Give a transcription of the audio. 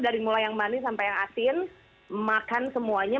dari mulai yang manis sampai yang asin makan semuanya